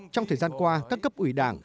trong thời gian qua các cấp ủy đảng